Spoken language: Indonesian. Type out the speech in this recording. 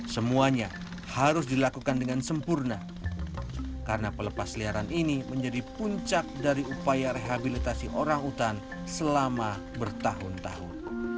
semuanya harus dilakukan dengan sempurna karena pelepas liaran ini menjadi puncak dari upaya rehabilitasi orang hutan selama bertahun tahun